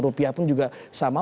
rupiah pun juga sama